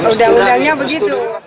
udah undangnya begitu